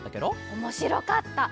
おもしろかった！